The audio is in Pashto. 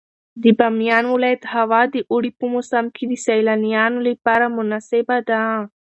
د بامیان ولایت هوا د اوړي په موسم کې د سیلانیانو لپاره مناسبه ده.